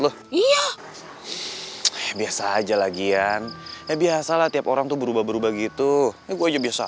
loh iya biasa aja lagian ya biasalah tiap orang tuh berubah berubah gitu aku aja biasa